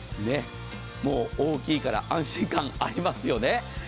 もう大きいから安心感ありますよね。